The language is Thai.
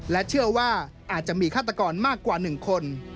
และเชื่อว่าอาจจะมีฆาตกรมากกว่า๑คน